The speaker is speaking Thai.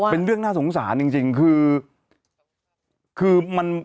เป็นเรื่องน่าสงสารจริงคือมัน